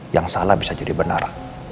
yang salah bisa jadi benar